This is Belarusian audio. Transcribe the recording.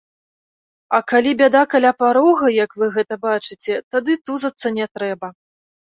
А калі бяда каля парога, як вы гэта бачыце, тады тузацца не трэба.